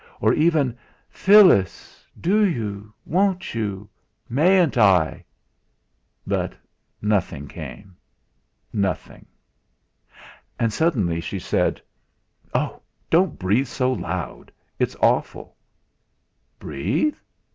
or even: "Phyllis do you won't you mayn't I?" But nothing came nothing. And suddenly she said: "Oh! don't breathe so loud; it's awful!" "Breathe?